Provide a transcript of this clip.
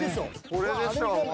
これでしょうもう。